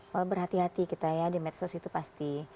bahwa berhati hati kita ya di medsos itu pasti